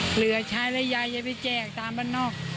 เหลือใช้แล้วยายจะไปแจกตามบ้านนอก